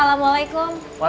aku mau ke rumah